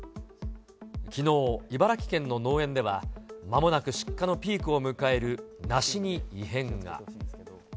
きのう、茨城県の農園では、まもなく出荷のピークを迎える梨に異変が。